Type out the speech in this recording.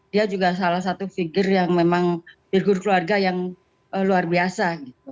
dia juga salah satu figur yang memang firgur keluarga yang luar biasa